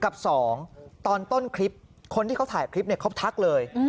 กับสองตอนต้นคลิปคนที่เขาถ่ายคลิปเนี่ยเขาทักเลย